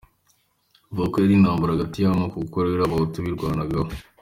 Bavuga ko yari intambara hagati y’amoko, ko rero Abahutu birwanagaho.